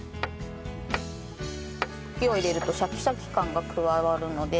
茎を入れるとシャキシャキ感が加わるので。